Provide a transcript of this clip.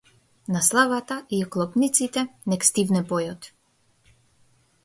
На славата, и оклопниците, нек стивне појот.